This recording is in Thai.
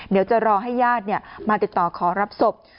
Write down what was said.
เดี๋ยวจะรอให้ญาติมาติดต่อขอรับศพ